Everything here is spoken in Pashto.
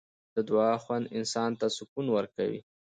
د دعا خوند انسان ته سکون ورکوي.